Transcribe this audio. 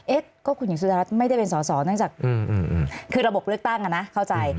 เอ๊ะก็คุณหญิงสุดารัฐไม่ได้เป็นสอสอเนื่องจากคือระบบเลือกตั้งอ่ะนะเข้าใจ